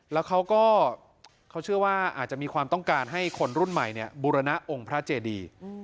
แล้วเขาก็เขาเชื่อว่าอาจจะมีความต้องการให้คนรุ่นใหม่บูรณะองค์พระเจดี